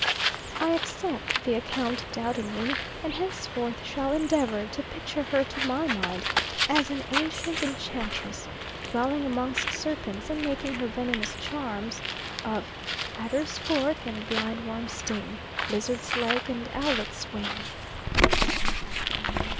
I accept the account doubtingly, and henceforth shall endeavour to picture her to my mind as an ancient enchantress, dwelling amongst serpents, and making her venomous charms of "Adder's fork, and blind worm's sting. Lizard's leg, and owlet's wing."